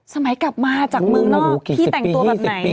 กลับมาจากเมืองนอกพี่แต่งตัวแบบไหน